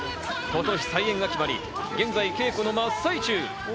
今年再演が決まり、現在、稽古の真っ最中。